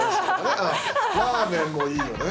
ラーメンもいいよね。